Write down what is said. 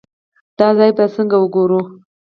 دا ځای به څنګه وګورو.